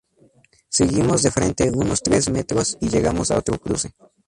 Seguimos de frente unos tres m y llegamos a otro cruce.